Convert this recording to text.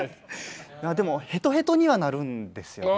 でもヘトヘトにはなるんですよ。